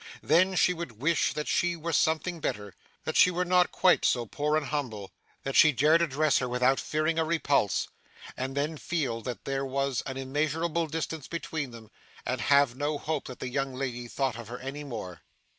Then she would wish that she were something better, that she were not quite so poor and humble, that she dared address her without fearing a repulse; and then feel that there was an immeasurable distance between them, and have no hope that the young lady thought of her any more.